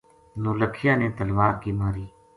نولکھیا نے تلوار کی ماری